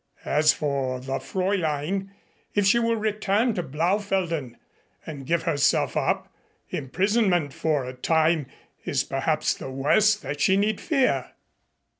As for the Fräulein, if she will return to Blaufelden and give herself up, imprisonment for a time is perhaps the worst that she need fear."